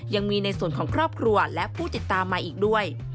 ยังมีในส่วนของครอบครัวและผู้ติดตามมาอีกด้วย